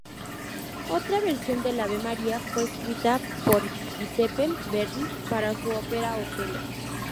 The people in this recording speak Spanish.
Otra versión del Ave María fue escrita por Giuseppe Verdi para su ópera Otelo.